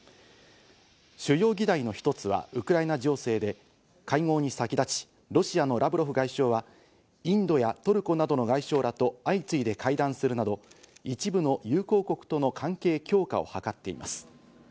主要議題の一つはウクライナ情勢で、会合に先立ち、ロシアのラブロフ外相は、インドやトルコなどの外相らと相次いで会談するなど、一部の友好国との関係強化を図っています。